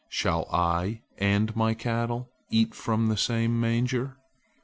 Shall I and my cattle eat from the same manger?"